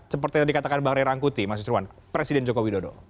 seperti yang dikatakan bang ray rangkuti mas suswan presiden joko widodo